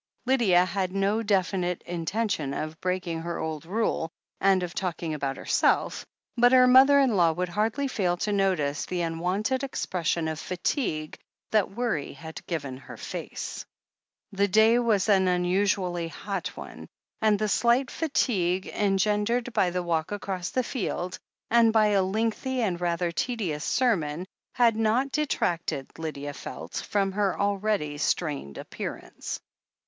Lydia had no definite intention of breaking her old rule, and of talking aboiit herself — but her mother in law would hardly fail to notice the unwonted expression of fatigue that worry had given to her face. The day was an unusually hot one, and the slight fatigue engendered by* the walk across the field, and by a lengthy and rather tedious sermon, had not detracted, Lydia felt, from her already strained appearance.